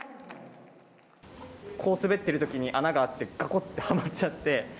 こう滑ってるときに穴があって、がこってはまっちゃって。